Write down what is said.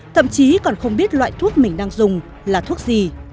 thậm chí còn không biết loại thuốc mình đang dùng là thuốc gì